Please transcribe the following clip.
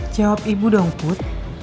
jawab ibu dong put